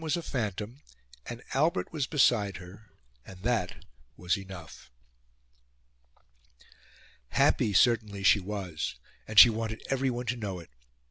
was a phantom, and Albert was beside her, and that was enough. Happy, certainly, she was; and she wanted everyone to know it.